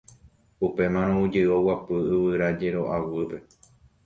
Upémarõ oujey oguapy yvyrajero'a guýpe.